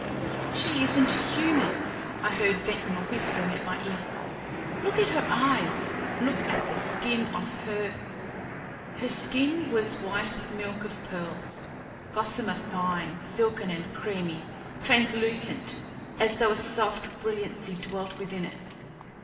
"She isn't human," I heard Ventnor whispering at my ear. "Look at her eyes; look at the skin of her " Her skin was white as milk of pearls; gossamer fine, silken and creamy; translucent as though a soft brilliancy dwelt within it.